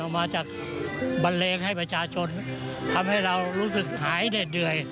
มาจากบันเลงให้ประชาชนทำให้เรารู้สึกหายเด็ดเหนื่อย